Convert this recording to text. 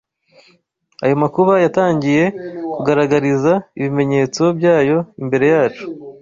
Ayo makuba yatangiye kugaragariza ibimenyetso byayo imbere yacu